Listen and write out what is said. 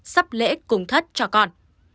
sắp lễ cung thất cho con